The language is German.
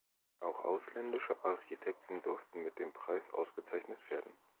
Auch ausländische Architekten durften mit dem Preis ausgezeichnet werden.